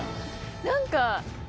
何か。